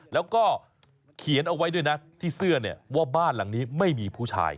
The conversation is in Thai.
แล้วก็เขียนเอาไว้ด้วยนะที่เสื้อเนี่ยว่าบ้านหลังนี้ไม่มีผู้ชาย